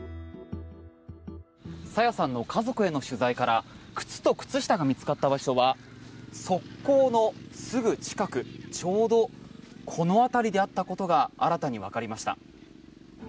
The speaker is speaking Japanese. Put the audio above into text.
朝芽さんの家族への取材から靴と靴下が見つかった場所は側溝のすぐ近くちょうどこの辺りであったことが新たにわかりました。